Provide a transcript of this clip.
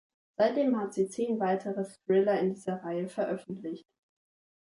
Seitdem hat sie zehn weitere Thriller in dieser Reihe veröffentlicht.